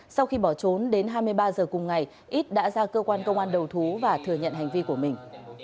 sau khi bỏ trốn đến hai mươi ba h cùng ngày ít đã ra cơ quan công an đầu thú và thừa nhận hành vi của mình